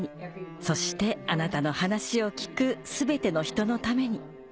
そしてあなたの話を聞く全ての人のために。